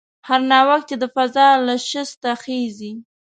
هر ناوک چې د قضا له شسته خېژي